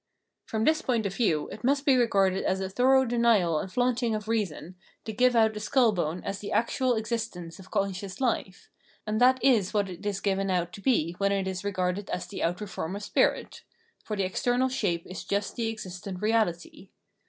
From this point of view it must be regarded as a thorough denial and flaunting of reason to give out a skull bone as the actual existence of conscious hfe, and that is what it is given out to be when it is regarded as the outer form of spirit ; for the external shape is just the existent reahty.